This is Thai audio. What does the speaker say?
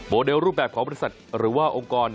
เดลรูปแบบของบริษัทหรือว่าองค์กร